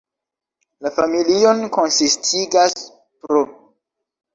La familion konsistigas pr.